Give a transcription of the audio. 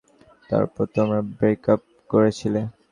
তারপর তোমরা ব্রেকাপ করেছিলে?